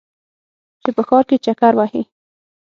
چې په ښار کې چکر وهې.